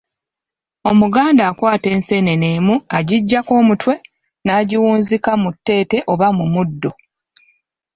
Omuganda akwata enseenene emu agiggyako omutwe n'agiwunzika mu tteete oba mu muddo.